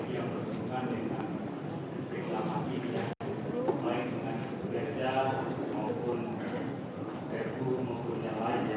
nah pakai dosennya